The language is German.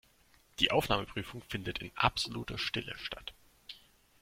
Die Aufnahmeprüfung findet in absoluter Stille statt.